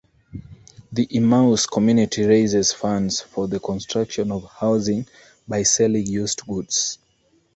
The Emmaus community raises funds for the construction of housing by selling used goods.